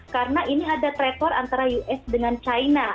karena ini ada trade war antara usa dan indonesia